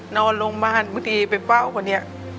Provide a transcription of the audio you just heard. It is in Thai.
นอนโรงพยาบาลบางทีไปเฝ้ากว่าเนี่ย